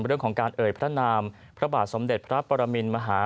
เรื่องของการเอ่ยพระนามพระบาทสมเด็จพระปรมินมหา